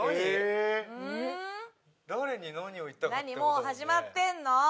もう始まってんの？